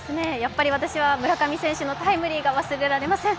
私は、村上選手のタイムリーが忘れられません。